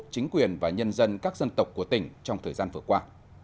chính quyền và nhân dân các dân tộc của tỉnh trong thời gian vừa qua